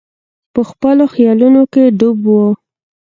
په خپلو خیالونو کې ډوب وو.